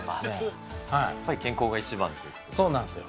やっぱり健康が一番というこそうなんですよ。